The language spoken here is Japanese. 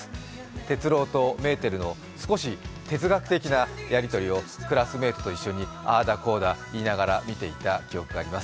鉄郎とメーテルの少し哲学的なやり取りをクラスメートと一緒にああだこうだいいながら見ていた記憶があります。